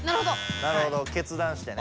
なるほど決断してね。